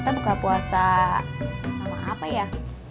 kita buka puasa sama apa ya